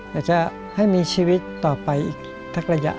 อยากจะให้มีชีวิตต่อไปอีกสักระยะ